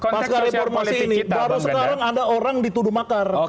pasca reformasi ini baru sekarang ada orang dituduh makar